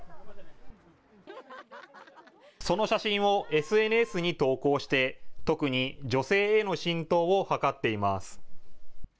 その写真をＳＮＳに投稿して特に女性への浸透を図っています。